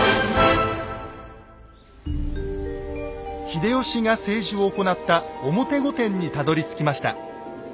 秀吉が政治を行った表御殿にたどりつきました。